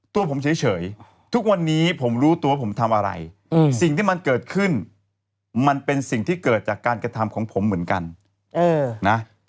ตัวผมเฉยทุกวันนี้ผมรู้ตัวผมทำอะไรสิ่งที่มันเกิดขึ้นมันเป็นสิ่งที่เกิดจากการกระทำของผมเหมือนกันนะ